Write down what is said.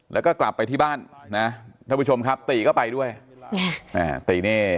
แล้วก็กลับไปที่บ้านนะท่านผู้ชมครับตีก็ไปด้วยอ่าตีนี่